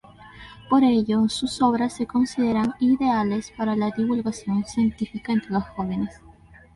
Por ello, sus obras se consideran ideales para la divulgación científica entre los jóvenes.